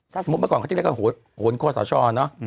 ถ้าสมมุติเมื่อก่อนเขาจะเรียกว่าโหนคอสชเนอะ